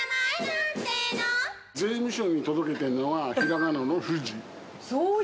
税務署に届けてるのは、ひらがなのふじ。